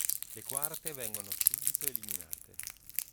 Le quarte vengono subito eliminate.